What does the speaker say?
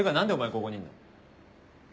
ここにいんの？